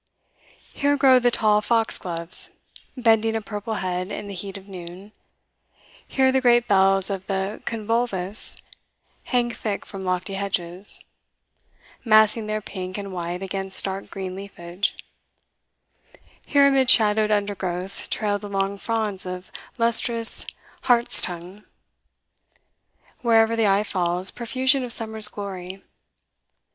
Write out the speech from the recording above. Here grow the tall foxgloves, bending a purple head in the heat of noon; here the great bells of the convolvulus hang thick from lofty hedges, massing their pink and white against dark green leafage; here amid shadowed undergrowth trail the long fronds of lustrous hartstongue; wherever the eye falls, profusion of summer's glory.